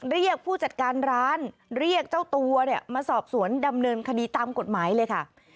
เรียกผู้จัดการร้านเรียกเจ้าตัวเนี่ยมาสอบสวนดำเนินคดีตามกฎหมายเลยค่ะ